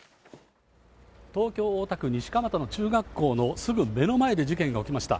東京・大田区西蒲田の中学校のすぐ目の前で事件が起きました。